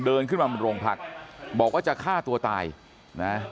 เดินขึ้นมาบนโรงพักบอกว่าจะฆ่าตัวตายนะ